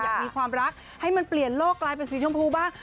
อยากมีความรักให้มันเปลี่ยนโลกกลายเป็นสีชมพูบ้าง